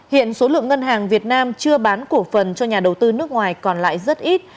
hiện số lượng ngân hàng việt nam chưa bán cổ phần cho nhà đầu tư nước ngoài còn lại rất ít